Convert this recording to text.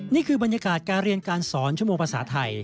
นี่คือบรรยากาศการเรียนการสอนชั่วโมงภาษาไทย